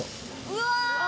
うわ！